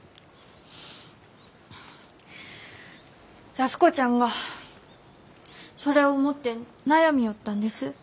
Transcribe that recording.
安子ちゃんがそれを持って悩みょうったんです。